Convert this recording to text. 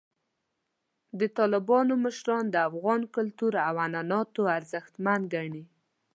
د طالبانو مشران د افغان کلتور او عنعناتو ارزښتمن ګڼي.